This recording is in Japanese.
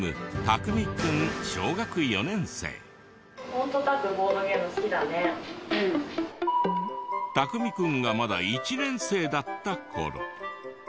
匠くんがまだ１年生だった頃。